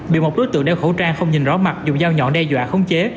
bị một đối tượng đeo khẩu trang không nhìn rõ mặt dùng dao nhọn đe dọa khống chế